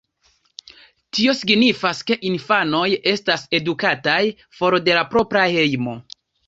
Tio signifas, ke infanoj estas edukataj for de la propra hejmo.